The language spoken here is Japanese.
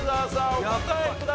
お答えください。